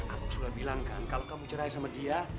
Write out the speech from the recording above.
aku sudah bilang kan kalau kamu cerai sama dia